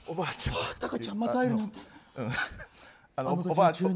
たかちゃん、また会えるなんて。